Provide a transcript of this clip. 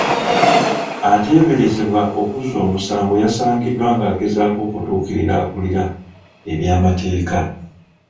Ateeberezebwa okuzza omusango yasangiddwa ng'agezaako okutuukirira akuulira ebyamateeka